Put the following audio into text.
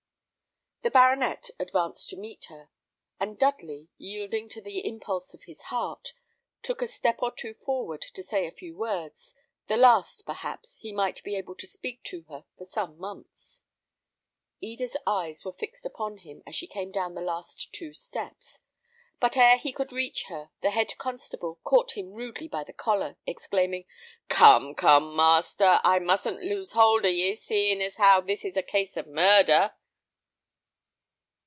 The baronet advanced to meet her; and Dudley, yielding to the impulse of his heart, took a step or two forward to say a few words, the last, perhaps, he might be able to speak to her for some months. Eda's eyes were fixed upon him as she came down the last two steps; but ere he could reach her the head constable caught him rudely by the collar, exclaiming, "Come, come, master, I mustn't lose hold of ye, seeing as how this is a case of murder."